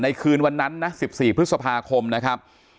คืนวันนั้นนะ๑๔พฤษภาคมนะครับ